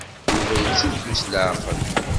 Yuba itteddu s leɛqel.